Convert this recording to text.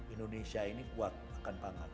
indonesia ini kuat akan pangan